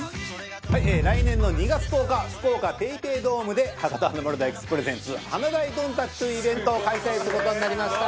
来年の２月１０日福岡ＰａｙＰａｙドームで「博多華丸・大吉ｐｒｅｓｅｎｔｓ華大どんたく」というイベントを開催する事になりました。